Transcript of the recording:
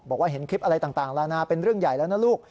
เห็นคลิปอะไรต่างแล้วนะเป็นเรื่องใหญ่แล้วนะลูก